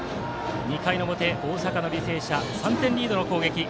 ２回表、大阪の履正社３点リードの攻撃。